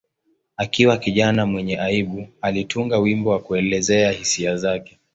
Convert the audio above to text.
Akiwa kijana mwenye aibu, alitunga wimbo wa kuelezea hisia zake.